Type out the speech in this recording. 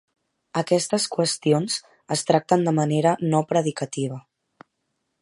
Aquestes qüestions es tracten de manera no predicativa.